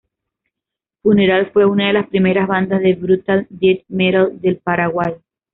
Funeral fue una de las primeras bandas de Brutal Death Metal del Paraguay.